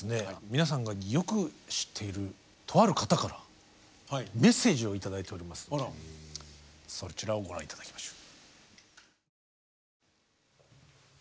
皆さんがよく知っているとある方からメッセージを頂いておりますのでそちらをご覧頂きましょう。